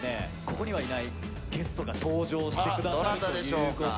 ここにはいないゲストが登場してくださるとあらっどなたでしょうか